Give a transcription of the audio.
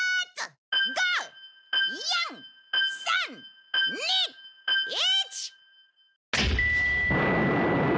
５４３２１。